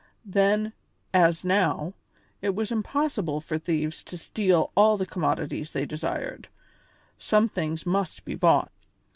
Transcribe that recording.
Then, as now, it was impossible for thieves to steal all the commodities they desired; some things must be bought.